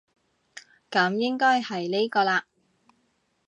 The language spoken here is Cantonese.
噉應該係呢個喇